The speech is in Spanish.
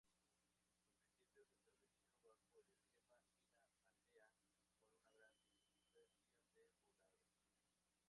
En principio se estableció bajo el esquema "Mina-Aldea", con una gran dispersión de poblados.